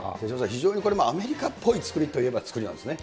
非常にこれ、アメリカっぽい造りといえば造りですね。